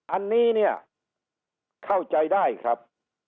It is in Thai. อันนี้เนี่ยเข้าใจได้ครับ